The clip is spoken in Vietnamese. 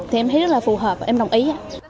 thì em thấy rất là phù hợp em đồng ý